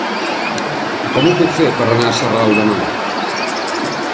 Com ho puc fer per anar a Sarral demà?